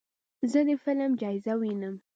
زه د فلم جایزه وینم.